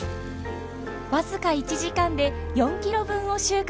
僅か１時間で４キロ分を収穫。